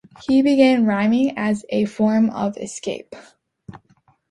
He began rhyming as a form of escape.